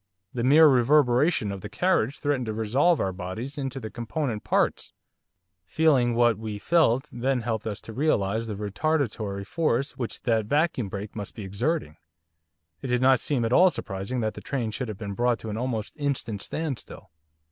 the mere reverberation of the carriage threatened to resolve our bodies into their component parts. Feeling what we felt then helped us to realise the retardatory force which that vacuum brake must be exerting, it did not seem at all surprising that the train should have been brought to an almost instant standstill.